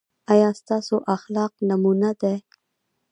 ایا ستاسو اخلاق نمونه دي؟